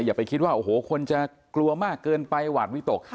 อย่าไปคิดว่าโอ้โหคนจะกลัวมากเกินไปหวาดวิตก